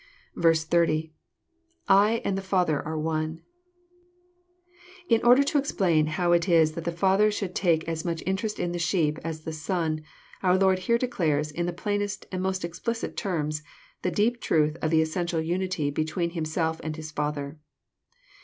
^0. — [land the father are one."] In order to explain how it is that the Father should take as much interest in the sheep as the Son, onr Lord here declares, in the plainest and most explicit terms, the deep truth of the essential unity between Himself and His Father.